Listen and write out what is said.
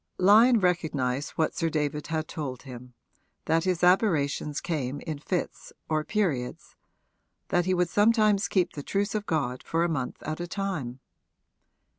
Lyon recognised what Sir David had told him, that his aberrations came in fits or periods that he would sometimes keep the truce of God for a month at a time.